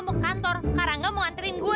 mau kantor karanga mau anterin gue